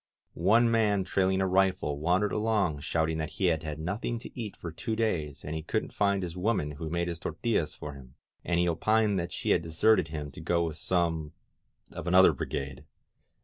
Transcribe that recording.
... One man trailing a rifle wandered along shouting that he had had nothing to eat for two days and he couldnH find his woman who made his tortillas for him, and he opined that she had deserted him to go with some of another bri gade.